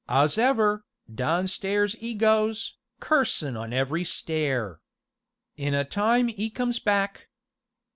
'Ows'ever, downstairs 'e goes, cursin' on every stair. In a time 'e comes back.